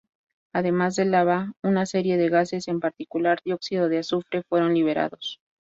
Además de lava, una serie de gases, en particular dióxido de azufre, fueron liberados.